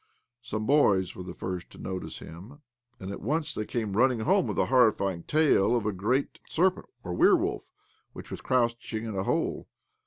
Some boys were the first to notice him, and at once they came running home with a horrifying tale of a great serpent or werewolf which was crouching in a hole.